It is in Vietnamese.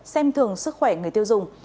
xem thường sức khỏe người tiêu dùng